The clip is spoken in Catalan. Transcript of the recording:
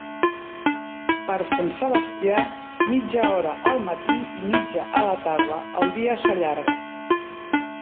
Per Sant Sebastià, mitja hora al matí i mitja a la tarda, el dia s'allarga.